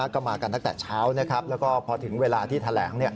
ก็มากันตั้งแต่เช้านะครับแล้วก็พอถึงเวลาที่แถลง